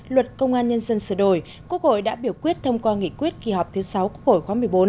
luật công an nhân dân sửa đổi quốc hội đã biểu quyết thông qua nghị quyết kỳ họp thứ sáu quốc hội khóa một mươi bốn